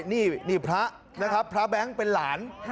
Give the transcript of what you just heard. นี่พระนะครับพระแบงค์เป็นหลาน